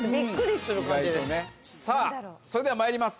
さぁそれではまいります